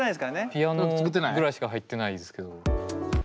ピアノぐらいしか入ってないですけど。